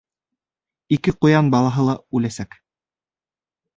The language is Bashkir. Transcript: Ике ҡуян балаһы ла үләсәк.